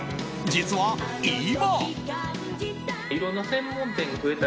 実は今。